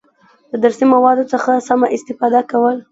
د درسي موادو څخه سمه استفاده کول،